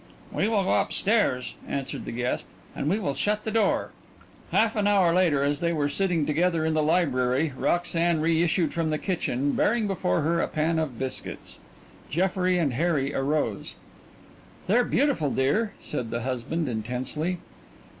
"We will go up stairs," answered his guest, "and we will shut the door." Half an hour later as they were sitting together in the library Roxanne reissued from the kitchen, bearing before her a pan of biscuits. Jeffrey and Harry rose. "They're beautiful, dear," said the husband, intensely.